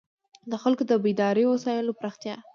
د خلکو د بېدارۍ وسایلو پراختیا.